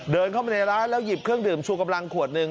เดินเข้ามาในร้านแล้วหยิบเครื่องดื่มชูกำลังขวดหนึ่ง